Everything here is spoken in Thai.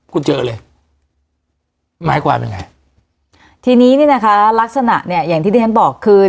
คุณเจอเลยหมายความยังไงทีนี้เนี่ยนะคะลักษณะเนี้ยอย่างที่ที่ฉันบอกคือ